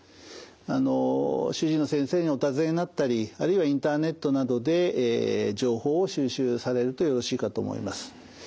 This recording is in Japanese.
あの主治医の先生にお尋ねになったりあるいはインターネットなどで情報を収集されるとよろしいかと思います。